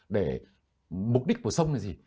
để mục đích của sông là gì